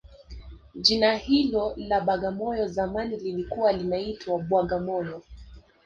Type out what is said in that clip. Jina hili la bagamoyo zamani lilikuwa linaitwa Bwagamoyo